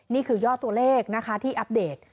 นี่คือยอดตัวเลขนะคะที่อัปเดต